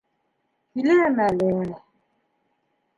Киләм әле...